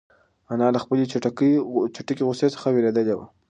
انا له خپلې چټکې غوسې څخه وېرېدلې وه.